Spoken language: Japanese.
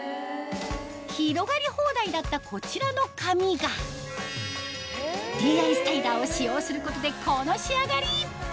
広がり放題だったこちらの髪がＤｉＳＴＹＬＥＲを使用することでこの仕上がり！